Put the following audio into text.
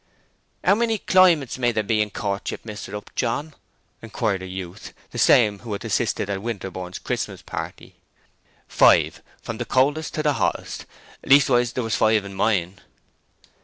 "How many climates may there be in courtship, Mr. Upjohn?" inquired a youth—the same who had assisted at Winterborne's Christmas party. "Five—from the coolest to the hottest—leastwise there was five in mine."